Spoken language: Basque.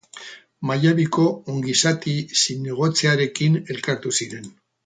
Mallabiko ongizate zinegotziarekin elkartu ziren